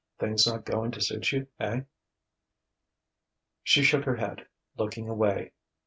"Things not going to suit you, eh?" She shook her head, looking away.